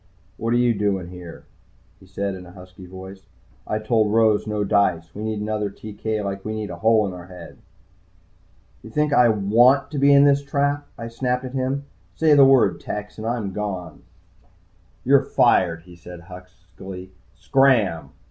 "What you doing here?" he said in a husky voice. "I told Rose no dice. We need another TK like we need a hole in the head." "You think I want to be in this trap?" I snapped at him. "Say the word, Tex, and I'm gone." "You're fired," he said huskily. "Scram!"